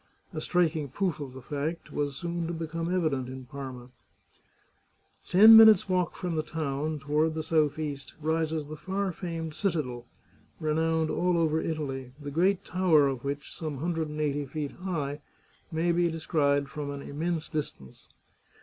A striking proof of the fact was soon to become evident in Parma. Ten minutes' walk from the town, toward the southeast, rises the far famed citadel, renowned all over Italy, the great tower of which, some hundred and eighty feet high, may be descried from an immense distance.